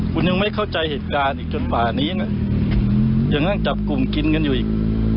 คุณยังไม่เข้าใจเหตุการณ์อีกจนป่านี้นะยังนั่งจับกลุ่มกินกันอยู่อีก